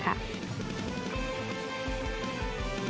พยายามเช้าด้วยค่ะ